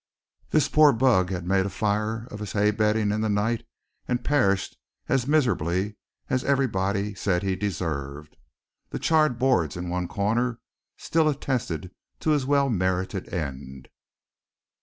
This poor bug had made a fire of his hay bedding in the night, and perished as miserably as everybody said he deserved. The charred boards in one corner still attested to his well merited end.